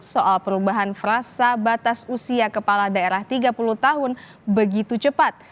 soal perubahan frasa batas usia kepala daerah tiga puluh tahun begitu cepat